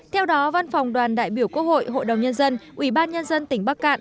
theo đó văn phòng đoàn đại biểu quốc hội hội đồng nhân dân ủy ban nhân dân tỉnh bắc cạn